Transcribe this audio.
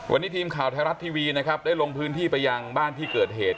วันนี้ทีมข่าวไทยรัฐทีวีนะครับได้ลงพื้นที่ไปยังบ้านที่เกิดเหตุ